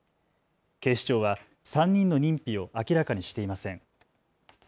警視庁は３人の認否を明らかにしていません。